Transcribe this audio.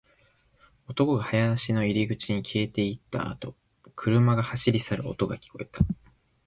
男が林の入り口に消えていったあと、車が走り去る音が聞こえた